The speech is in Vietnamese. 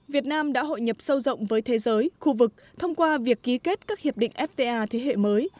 việt nam đã hội nhập sâu rộng với thế giới khu vực thông qua việc ký kết các hiệp định fta thế hệ mới